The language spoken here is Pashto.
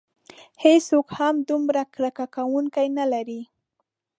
هیڅوک هم دومره کرکه کوونکي نه لري.